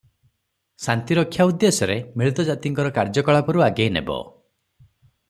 ଶାନ୍ତିରକ୍ଷା ଉଦ୍ଦେଶ୍ୟରେ ମିଳିତ ଜାତିଙ୍କର କାର୍ଯ୍ୟକଳାପରୁ ଆଗେଇ ନେବ ।